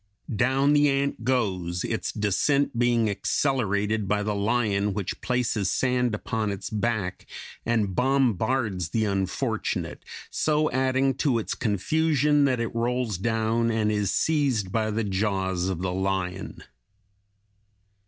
Down the ant goes, its descent being accelerated by the lion which places sand upon its back, and bombards the unfortunate, so adding to its confusion that it rolls down and is seized by the jaws of the lion.